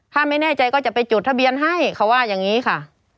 ถ้าไม่แน่ใจก็จะไปจดทะเบียนให้เขาว่าอย่างนี้ค่ะ